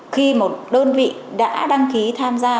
khi một đơn vị đã đăng ký tham gia